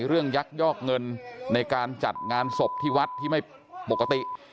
ยักยอกเงินในการจัดงานศพที่วัดที่ไม่ปกติ